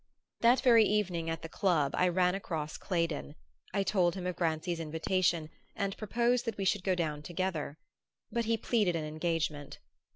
That very evening at the club I ran across Claydon. I told him of Grancy's invitation and proposed that we should go down together; but he pleaded an engagement.